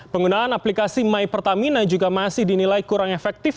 penggunaan aplikasi mypertamina juga masih dinilai kurang efektif